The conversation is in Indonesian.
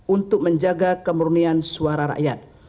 untuk menjaga kemurnian suara rakyat